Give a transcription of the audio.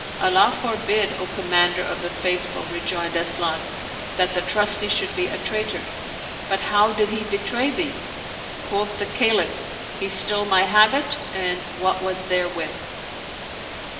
" Allah forbid, O Commander of the Faithful," rejoined Asian, " that the ' Trusty ' should be a traitor ! But how did he betray thee ?" Quoth the Caliph, " He stole my habit and what was therewith."